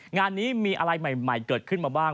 งานนี้มีอะไรใหม่เกิดขึ้นมาบ้าง